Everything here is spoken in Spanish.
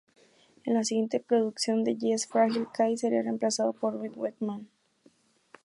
En la siguiente producción de Yes, Fragile, Kaye sería reemplazado por Rick Wakeman.